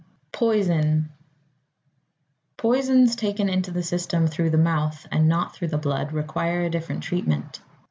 Poison Poisons taken into the system through the mouth, and not through the blood, require a different treatment.